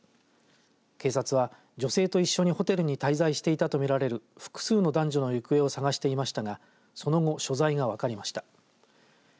警察は女性と一緒にホテルに滞在していたと見られる複数の男女の行方を捜していましたがその後、所在が分かりました。